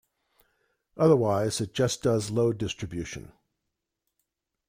Otherwise it just does load distribution.